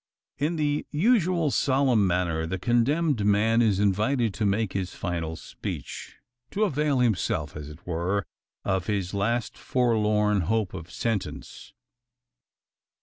In the usual solemn manner the condemned man is invited to make his final speech; to avail himself, as it were, of the last forlorn hope for sentence.